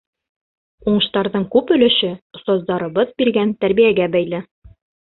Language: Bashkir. Уңыштарҙың күп өлөшө остаздарыбыҙ биргән тәрбиәгә бәйле.